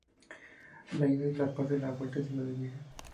La ida es La Paz y la vuelta Ciudad Vieja.